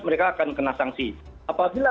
mereka akan kena sanksi apabila